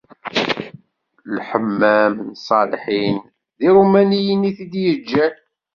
Lḥemmam n Ṣṣalḥin d Irumaniyen i t-id-yeǧǧan.